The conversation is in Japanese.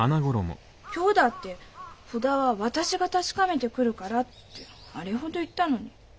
今日だって札は私が確かめてくるからってあれほど言ったのに。